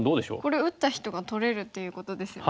これ打った人が取れるっていうことですよね。